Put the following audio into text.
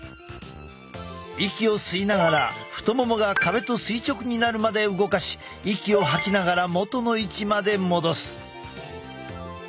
息を吸いながら太ももが壁と垂直になるまで動かし息を吐きながら元の位置まで戻す。